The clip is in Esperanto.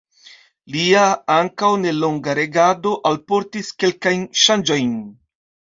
Lia ankaŭ nelonga regado alportis kelkajn ŝanĝojn.